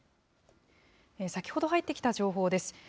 先ほど入ってきた情報です。